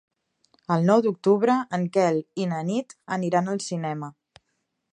El nou d'octubre en Quel i na Nit aniran al cinema.